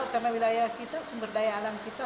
karena wilayah kita sumber daya alam kita